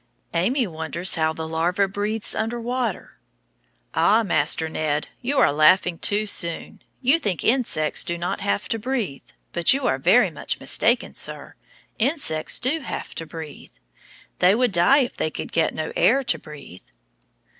Amy wonders how the larva breathes under water. Ah, Master Ned, you are laughing too soon. You think insects do not have to breathe, but you are very much mistaken, sir. Insects do have to breathe. They would die if they could get no air to breathe.